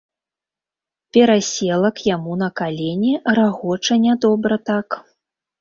Перасела к яму на калені, рагоча нядобра так.